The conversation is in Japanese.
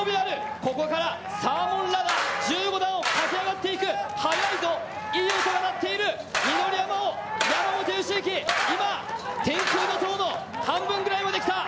ここからサーモンラダー、１５段を駆け上がっていく、はやいぞ、いい音が鳴っている、緑山を山本良幸、今、天空の塔の半分ぐらいまで来た。